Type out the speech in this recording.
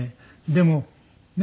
でもね